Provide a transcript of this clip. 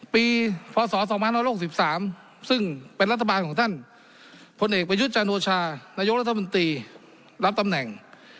พศ๒๖๓ซึ่งเป็นรัฐบาลของท่านพลเอกประยุทธ์จันโอชานายกรัฐมนตรีรับตำแหน่ง